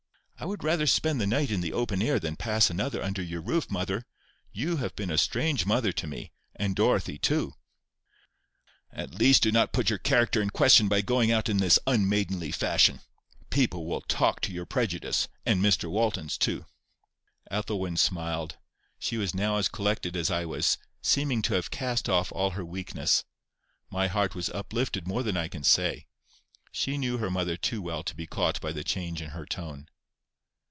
"I would rather spend the night in the open air than pass another under your roof, mother. You have been a strange mother to me—and Dorothy too!" "At least do not put your character in question by going in this unmaidenly fashion. People will talk to your prejudice—and Mr Walton's too." Ethelwyn smiled.—She was now as collected as I was, seeming to have cast off all her weakness. My heart was uplifted more than I can say.—She knew her mother too well to be caught by the change in her tone.